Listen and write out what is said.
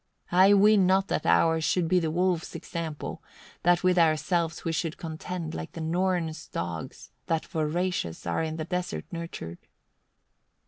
30. "I ween not that ours should be the wolves' example, that with ourselves we should contend, like the Norns' dogs, that voracious are in the desert nurtured."